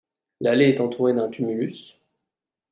L'allée est entourée d'un tumulus.